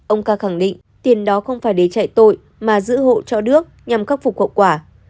ông ca khẳng định tiền đó không phải để chạy tội mà giữ hộ cho đước nhằm khắc phục hậu quả